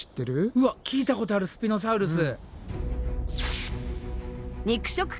うわっ聞いたことあるスピノサウルス。